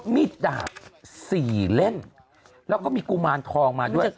มีดดาบ๔เล่มแล้วก็มีกุมารทองมาด้วย